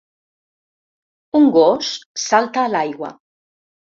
Un gos salta a l'aigua.